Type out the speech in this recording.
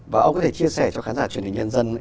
và ông có thể chia sẻ cho khán giả truyền hình nhân dân